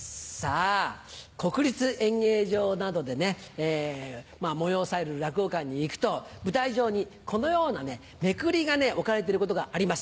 国立演芸場などで催される落語会に行くと舞台上にこのようなめくりが置かれてることがあります。